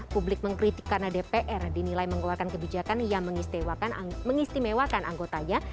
publik mengkritik karena dpr dinilai mengeluarkan kebijakan yang mengistimewakan anggotanya